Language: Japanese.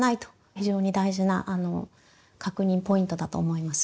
非常に大事な確認ポイントだと思います。